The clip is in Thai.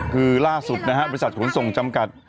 คือล่าศุกร์นะฮะบริษัทหลุมส่งจำกัด